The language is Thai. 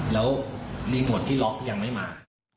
แล้วมีมุดที่ล็อคยังไม่มา